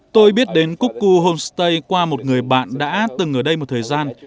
tôi biết đến copco homestay qua một người bạn đã từng ở đây một thời gian